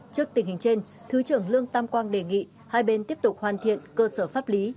trước tình hình trên thứ trưởng lương tam quang đề nghị hai bên tiếp tục hoàn thiện cơ sở pháp lý